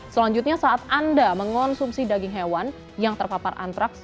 selanjutnya saat anda mengonsumsi daging hewan yang terpapar antraks